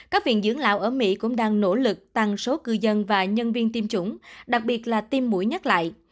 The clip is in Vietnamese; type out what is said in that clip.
các viện dưỡng lão ở mỹ cũng đang nỗ lực tăng số cư dân và nhân viên tiêm chủng đặc biệt là tiêm mũi nhắc lại